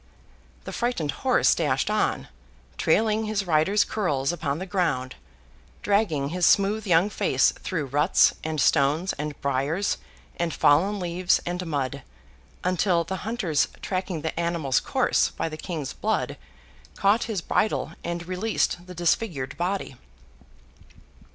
The frightened horse dashed on; trailing his rider's curls upon the ground; dragging his smooth young face through ruts, and stones, and briers, and fallen leaves, and mud; until the hunters, tracking the animal's course by the King's blood, caught his bridle, and released the disfigured body.